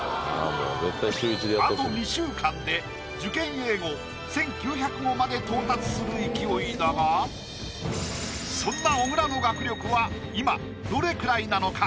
あと２週間で受験英語１９００語まで到達する勢いだがそんな小倉の学力は今どれくらいなのか？